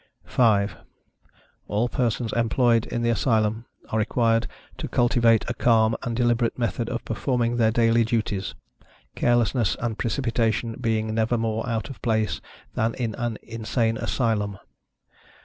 5. All persons employed in the Asylum are required to cultivate a calm and deliberate method of performing their daily dutiesâ€"carelessness and precipitation being never more out of place than in an insane asylum.